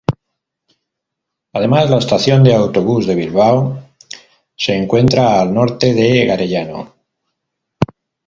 Además, la estación de autobús de Bilbao se encuentra al norte de Garellano.